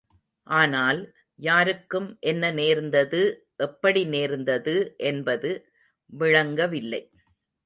ஆனால், யாருக்கும் என்ன நேர்ந்தது, எப்படி நேர்ந்தது என்பது விளங்கவில்லை.